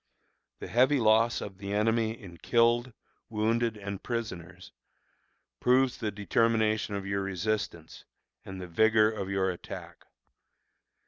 The heavy loss of the enemy in killed, wounded, and prisoners, proves the determination of your resistance and the vigor of your attack.